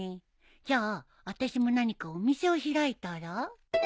じゃああたしも何かお店を開いたら？